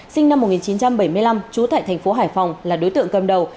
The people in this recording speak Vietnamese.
sinh năm một nghìn chín trăm bảy mươi năm trú tại thành phố hải phòng là đối tượng cầm đầu